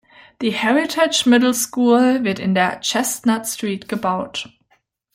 Die Heritage Middle School wird in der Chestnut Street gebaut.